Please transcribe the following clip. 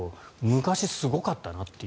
昔すごかったなと。